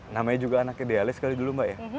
namanya juga anak idealis kali dulu mbak ya